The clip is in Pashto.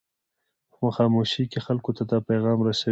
په خاموشۍ کې خلکو ته دا پیغام رسوي.